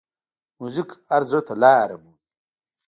موزیک هر زړه ته لاره مومي.